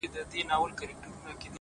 دا سړی څوک وو چي ژړا يې کړم خندا يې کړم!